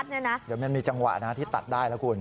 เดี๋ยวมันมีจังหวะนะที่ตัดได้แล้วคุณ